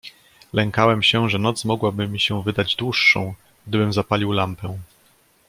"Lękałem się, że noc mogłaby mi się wydać dłuższą, gdybym zapalił lampę."